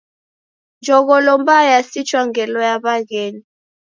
Jogholo mbaa yasichwa ngelo ya w'aghenyu.